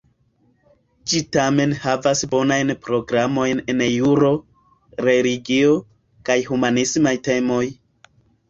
Ĝi tamen havas bonajn programojn en juro, religio, kaj humanismaj temoj.